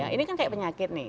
ini kan kayak penyakit nih